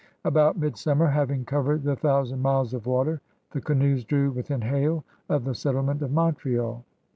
About mid summer, having covered the thousand miles of water, the canoes drew within hail of the settle ment of Montreal.